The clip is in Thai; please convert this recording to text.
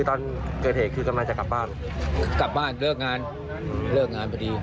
โอ้ยเตือนภัยนะ